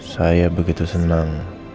saya begitu senang